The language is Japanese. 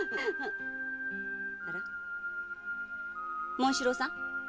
紋四郎さん？